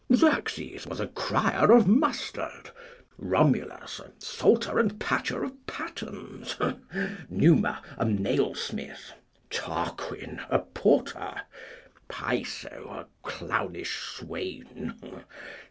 Xerxes was a crier of mustard. Romulus, a salter and patcher of pattens. Numa, a nailsmith. Tarquin, a porter. Piso, a clownish swain.